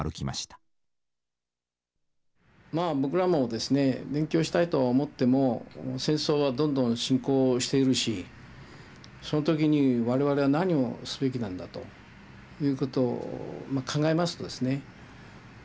まあ僕らもですね勉強したいとは思っても戦争はどんどん進行しているしその時に我々は何をすべきなんだということをまあ考えますとですね